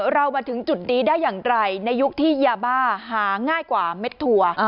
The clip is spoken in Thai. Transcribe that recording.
เรามาถึงจุดนี้ได้อย่างไรในยุคที่ยาบ้าหาง่ายกว่าเม็ดถั่ว